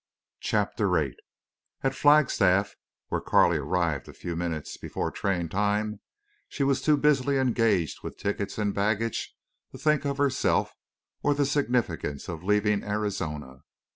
CHAPTER VIII At Flagstaff, where Carley arrived a few minutes before train time, she was too busily engaged with tickets and baggage to think of herself or of the significance of leaving Arizona.